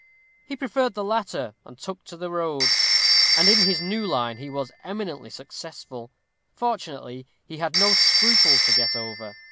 He preferred the latter, and took to the road; and in his new line he was eminently successful. Fortunately, he had no scruples to get over.